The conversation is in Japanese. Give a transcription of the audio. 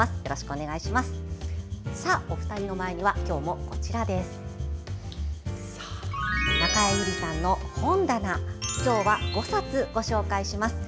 お二人の前には今日も「中江有里さんの本棚」今日は５冊ご紹介します。